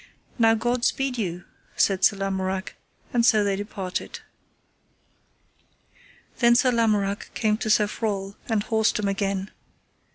Now God speed you, said Sir Lamorak, and so they departed. Then Sir Lamorak came to Sir Frol and horsed him again.